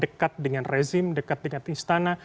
dekat dengan rezim dekat dengan istana